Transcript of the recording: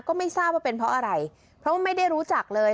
ก็ไม่ทราบว่าเป็นเพราะอะไรเพราะว่าไม่ได้รู้จักเลย